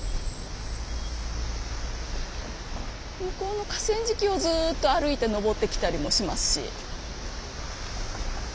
向こうの河川敷をずっと歩いて上ってきたりもしますし。